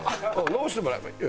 直してもらえばいい。